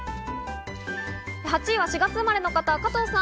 ８位は４月生まれの方、加藤さん。